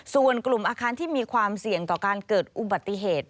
ส่วนกลุ่มอาคารที่มีความเสี่ยงต่อการเกิดอุบัติเหตุ